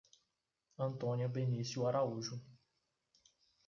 Antônia Benicio Araújo